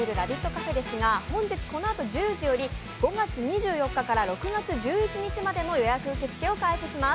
カフェですが本日、このあと１０時より５月２４日から６月１１日までの予約受け付けを開始します。